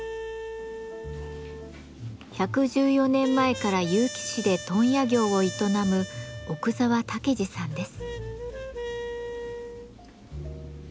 １１４年前から結城市で問屋業を営む奥澤武治さんです。